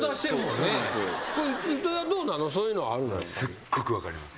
すっごく分かります。